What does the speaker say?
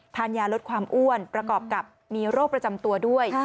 ทานยาลดความอ้วนประกอบกับมีโรคประจำตัวด้วย